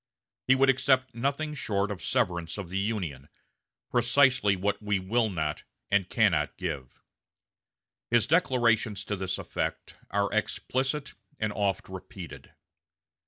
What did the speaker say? He would accept nothing short of severance of the Union precisely what we will not and cannot give. His declarations to this effect are explicit and oft repeated....